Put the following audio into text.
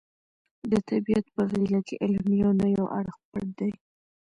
د طبیعت په غېږه کې علم یو نه یو اړخ پټ دی.